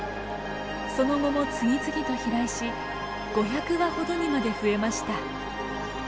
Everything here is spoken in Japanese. その後も次々と飛来し５００羽ほどにまで増えました。